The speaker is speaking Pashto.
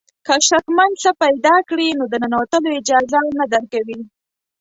که شکمن څه پیدا کړي نو د ننوتلو اجازه نه درکوي.